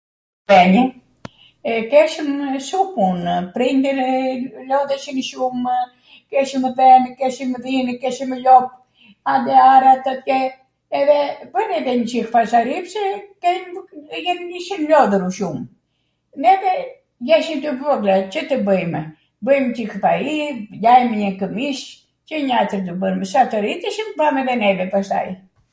Bwnim. Keshwmw shum punw. Prindwrw, lodheshim shumw, keshwmw dhwnw, keshwmw dhinw, keshwmw lop, ande arat atje, edhe bwnej edhe njwCik fasari pse kejmw, ishim lodhurw shum. Neve jeshwm tw vogla, Cw tw bwjmw? Bwjm Cik fai, lajm njw kwmish, Cw njatwr tw bwjm, sa tw rriteshim, mbam edhe neve pastaj.